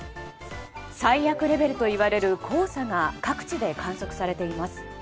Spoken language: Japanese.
最悪レベルといわれる黄砂が各地で観測されています。